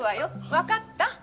わかった？